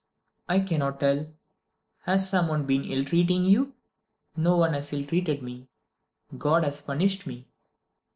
"I cannot tell." "Has some one been ill treating you?" "No one has ill treated me. God has punished me."